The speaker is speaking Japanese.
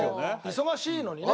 忙しいのにね。